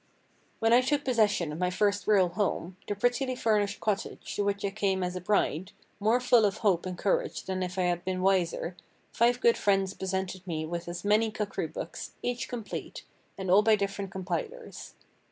'" When I took possession of my first real home, the prettily furnished cottage to which I came as a bride, more full of hope and courage than if I had been wiser, five good friends presented me with as many cookery books, each complete, and all by different compilers.